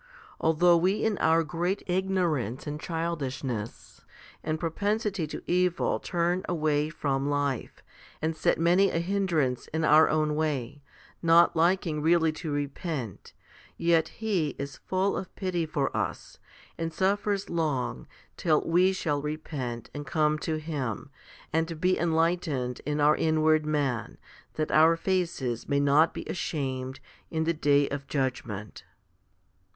Although we in our great ignorance and childishness and propensity to evil turn away from life, and set many a hindrance in our own way, not liking really to repent, yet He is full of pity for us, and 1 Gen. ii. 24, f. z I Cor. xiv. I. F 30 FIFTY SPIRITUAL HOMILIES suffers long till we shall repent and come to Him, and be enlightened in our inward man, that our faces may not be ashamed in the day of judgment.